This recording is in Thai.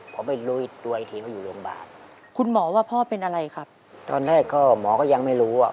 พอไปรู้ตัวอีกทีเขาอยู่โรงพยาบาลคุณหมอว่าพ่อเป็นอะไรครับตอนแรกก็หมอก็ยังไม่รู้อ่ะ